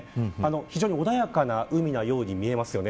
非常に穏やかな海のように見えます。